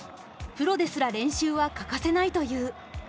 プロですら練習は欠かせないという。